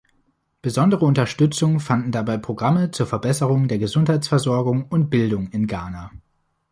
Besondere Unterstützung fanden dabei Programme zur Verbesserung der Gesundheitsversorgung und Bildung in Ghana.